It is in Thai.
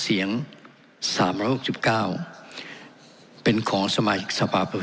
เสียงสามร้อยหกสิบเก้าเป็นของสมาชิกสภาพผู้